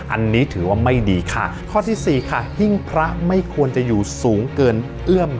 อันนี้ถือว่าไม่ดีค่ะข้อที่สี่ค่ะหิ้งพระไม่ควรจะอยู่สูงเกินเอื้อม